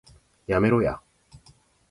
やめろや